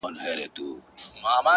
تر پرون مي يوه کمه ده راوړې;